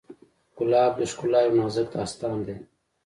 ګلاب د ښکلا یو نازک داستان دی.